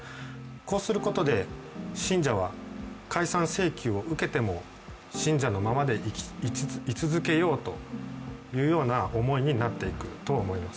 こうすることで信者は解散請求を受けても信者のままで、い続けようというような思いになっていくと思います。